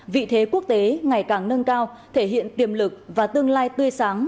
vị thế quốc tế ngày càng nâng cao thể hiện tiềm lực và tương lai tươi sáng